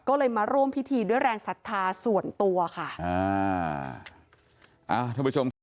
ก็เลยมาร่วมพิธีด้วยแรงศรัทธาส่วนตัวค่ะอ่าอ่าท่านผู้ชมครับ